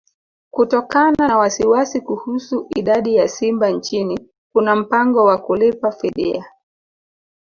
Kutokana na wasiwasi kuhusu idadi ya simba nchini kuna mpango wa kulipa fidia